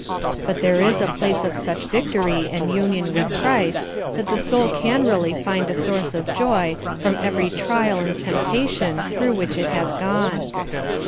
But there is a place of such victorj^ and union with Christ that the soul can really find a source of joy from every trial and temptation through which it has gone.